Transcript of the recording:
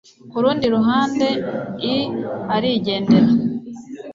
ku rundi ruhande i arigendera